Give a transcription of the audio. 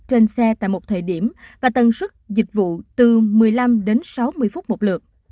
trên xe tại một thời điểm và tần suất dịch vụ từ một mươi năm đến sáu mươi phút một lượt